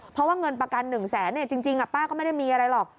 เพราะว่าเงินประกัน๑แสนจริงป้าก็ไม่ได้มีอะไรหรอก